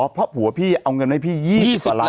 อ๋อเพราะผัวพี่เอาเงินให้พี่๒๐ล้าน